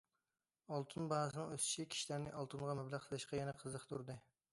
ئالتۇن باھاسىنىڭ ئۆسۈشى كىشىلەرنى ئالتۇنغا مەبلەغ سېلىشقا يەنە قىزىقتۇردى.